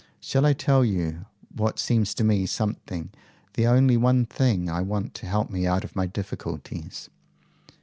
"Shall I tell you what seems to me sometimes the only one thing I want to help me out of my difficulties?"